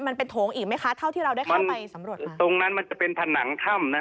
โถงอีกไหมคะเท่าที่เราได้เข้าไปสำรวจเลยตรงนั้นมันจะเป็นผนังถ้ำนะฮะ